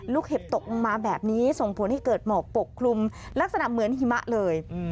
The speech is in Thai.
เห็บตกลงมาแบบนี้ส่งผลให้เกิดหมอกปกคลุมลักษณะเหมือนหิมะเลย